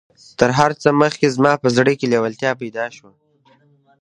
تر هر څه مخکې زما په زړه کې لېوالتيا پيدا شوه.